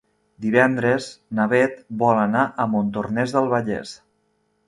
Divendres na Beth vol anar a Montornès del Vallès.